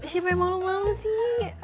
siapa yang malu malu sih